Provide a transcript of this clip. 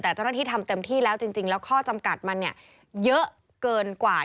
แต่เจ้าหน้าที่ทำเต็มที่แล้วจริงแล้วข้อจำกัดมันเนี่ยเยอะเกินกว่า